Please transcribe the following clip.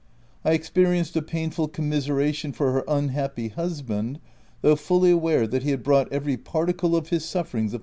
I experienced a painful commiseration for her unhappy husband (though fully aware that he had brought every particle of his sufferings OF WILDFELL HALL.